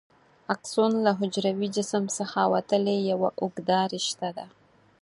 اکسون له حجروي جسم څخه وتلې یوه اوږده رشته ده.